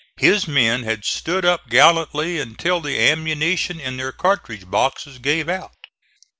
His men had stood up gallantly until the ammunition in their cartridge boxes gave out.